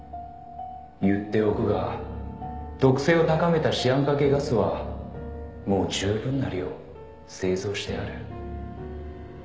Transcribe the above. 「言っておくが毒性を高めたシアン化系ガスはもう十分な量製造してある」